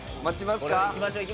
待ちますか？